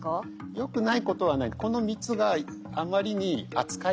よくないことはない。